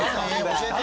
教えて。